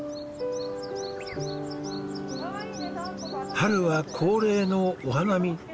春は恒例のお花見。